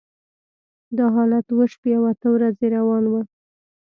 دا حالت اوه شپې او اته ورځې روان و.